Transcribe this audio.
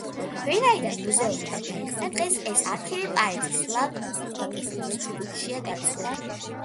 ვინაიდან მუზეუმი არ გაიხსნა დღეს ეს არქივი პარიზის სლავისტიკის ინსტიტუტშია დაცული.